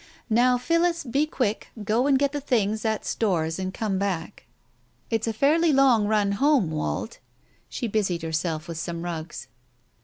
Now, Phillis, be quick, go and get the things at Storr's, and come back. It's a fairly long run home, Wald. ..." She busied herself with some rugs.